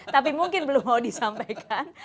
tapi mungkin belum mau disampaikan